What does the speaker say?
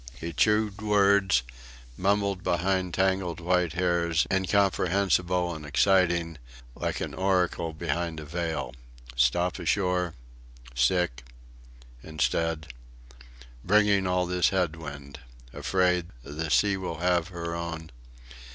He chewed words, mumbled behind tangled white hairs; incomprehensible and exciting, like an oracle behind a veil.... "Stop ashore sick. Instead bringing all this head wind. Afraid. The sea will have her own.